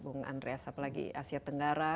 bung andreas apalagi asia tenggara